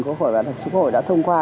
của khỏi bản thân chức hội đã thông qua